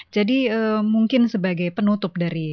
jadi mungkin sebagai penutup dari